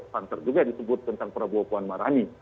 santer juga disebut tentang prabowo puan marani